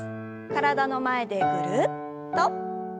体の前でぐるっと。